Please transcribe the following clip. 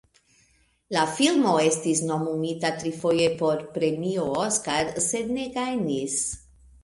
La filmo estis nomumita trifoje por Premio Oskar, sed ne gajnis.